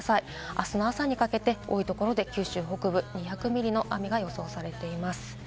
あすの朝にかけて、多いところで九州北部２００ミリの雨が予想されています。